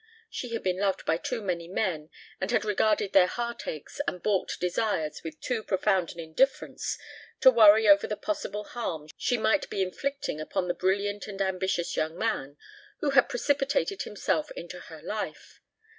She had been loved by too many men and had regarded their heartaches and balked desires with too profound an indifference to worry over the possible harm she might be inflicting upon the brilliant and ambitious young man who had precipitated himself into her life.